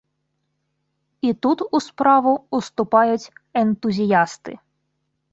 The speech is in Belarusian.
І тут у справу ўступаюць энтузіясты.